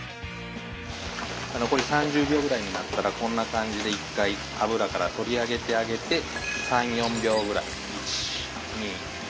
残り３０秒ぐらいになったらこんな感じで１回油から取り上げてあげて３４秒ぐらい。